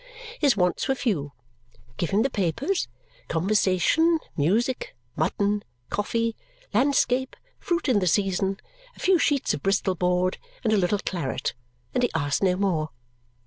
His wants were few. Give him the papers, conversation, music, mutton, coffee, landscape, fruit in the season, a few sheets of Bristol board, and a little claret, and he asked no more.